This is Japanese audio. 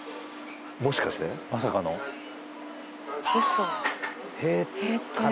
もしかしてまさかの嘘閉店